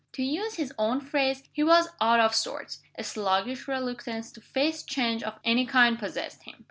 To use his own phrase, he was "out of sorts." A sluggish reluctance to face change of any kind possessed him.